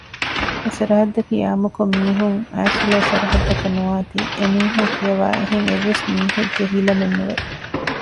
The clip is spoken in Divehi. އެސަރަހައްދަކީ އާންމުކޮށް މީހުން އައިސްއުޅޭ ސަރަހައްދަކަށް ނުވާތީ އެމީހުން ފިޔަވާ އެހެން އެއްވެސް މީހެއްގެ ހިލަމެއް ނުވެ